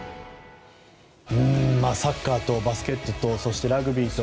サッカーとバスケットとそしてラグビーと。